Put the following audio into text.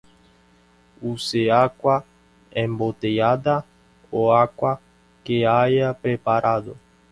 Use agua embotellada o agua que haya preparado